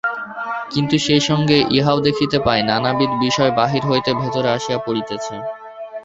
কিন্তু সেই সঙ্গে ইহাও দেখিতে পাই, নানাবিধ বিষয় বাহির হইতে ভিতরে আসিয়া পড়িতেছে।